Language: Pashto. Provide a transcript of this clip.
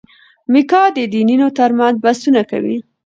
میکا د دینونو ترمنځ بحثونه کوي.